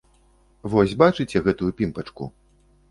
Вось бачыце гэтую пімпачку?